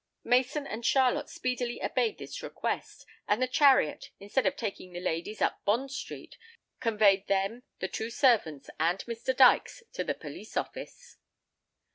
Mason and Charlotte speedily obeyed this request, and the chariot, instead of taking the ladies up Bond Street, conveyed them, the two servants, and Mr. Dykes, to the police office.